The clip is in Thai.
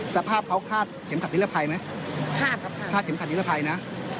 สภาพเขาคาดเข็มขัดนิรภัยไหมคาดครับคาดเข็มขัดนิรภัยนะ